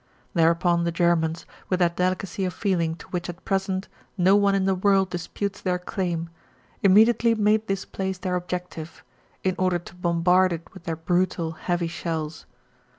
Thereupon the Germans, with that delicacy of feeling to which at present no one in the world disputes their claim, immediately made this place their objective, in order to bombard it with their brutal, heavy shells.